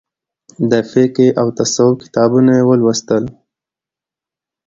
د فقهي او تصوف کتابونه یې ولوستل.